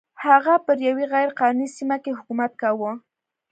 هغه پر یوې غیر قانوني سیمه کې حکومت کاوه.